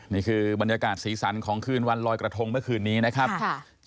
นี่คือบรรยากาศสีสันของคืนวันลอยกระทงเมื่อคืนนี้นะครับ